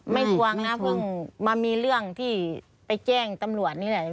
ไม่ทวงนะเพิ่งมามีเรื่องที่ไปแจ้งตำรวจนี่แหละ